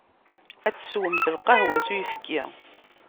Ad teswemt lqahwa s uyefki.